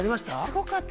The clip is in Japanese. すごかった。